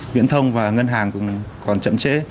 viễn thông và ngân hàng còn chậm chế